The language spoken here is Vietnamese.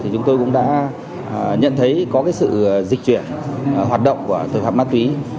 chúng tôi cũng đã nhận thấy có sự dịch chuyển hoạt động của tội phạm ma túy